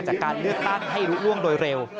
จากการเลือกตั้งให้รู้ล่วงโดยเร็ว